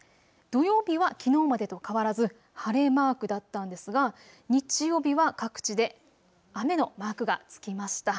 土曜日はきのうまでと変わらず晴れマークだったんですが、日曜日は各地で雨のマークがつきました。